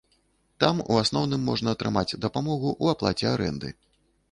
Там у асноўным можна атрымаць дапамогу ў аплаце арэнды.